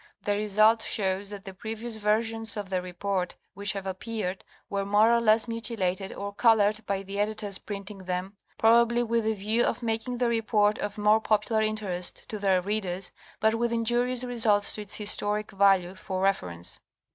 The result shows that the previous versions of the report which have appeared were more or less mutilated or colored by the editors printing them, probably with the view of making the report of more popular interest to their readers but with injurious results to its historic value for reference.